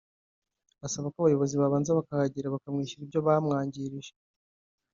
asaba ko abayobozi babanza bakahagera bakamwishyura ibyo bamwangirije